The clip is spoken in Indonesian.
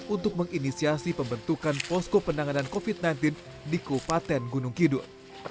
untuk menginisiasi pembentukan posko penanganan covid sembilan belas di kabupaten gunung kidul